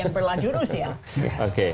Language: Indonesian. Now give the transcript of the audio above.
yang berlanjur usia